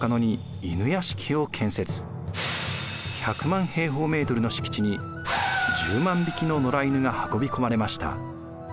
１００万平方メートルの敷地に１０万匹の野良犬が運び込まれました。